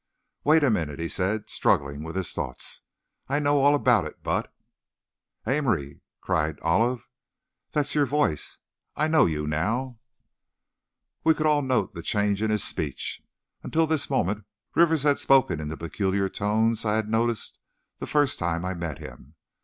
"Wait a minute," he said, struggling with his thoughts, "I know all about it, but " "Amory!" cried Olive, "that's your voice! I know you now!" We could all note the change in his speech. Until this moment Rivers had spoken in the peculiar tones I had noticed the first time I met him.